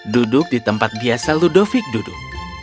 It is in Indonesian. duduk di tempat biasa ludovic duduk